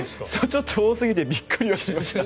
ちょっと多すぎてびっくりしました。